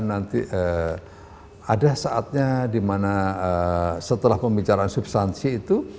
nanti ada saatnya dimana setelah pembicaraan substansi itu